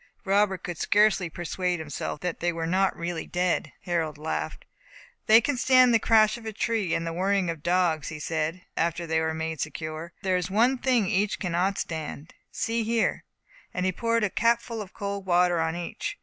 Robert could scarcely persuade himself that they were not really dead. Harold laughed. "They can stand the crash of a tree and the worrying of dogs," he said, after they were made secure; "but there is one thing which they cannot stand. See here!" and he poured a cupful of cold water on each.